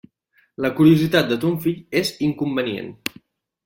La curiositat de ton fill és inconvenient.